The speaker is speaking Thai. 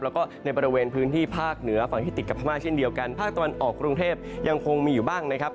แล้วก็ในบริเวณพื้นที่ภาคเหนือฝั่งที่ติดกับพม่าเช่นเดียวกันภาคตะวันออกกรุงเทพยังคงมีอยู่บ้างนะครับ